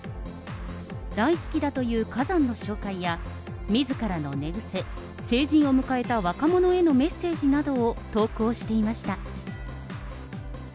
大好きだという火山の紹介や、みずからの寝癖、成人を迎えた若者へのメッセージなどを投稿していました。